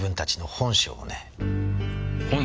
本性？